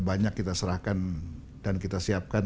banyak kita serahkan dan kemudian kita berikan